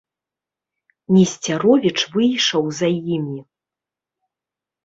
Несцяровіч выйшаў за імі.